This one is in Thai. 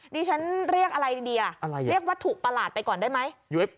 ดิฉันเรียกอะไรดีเรียกวัตถุประหลาดไปก่อนได้ไหม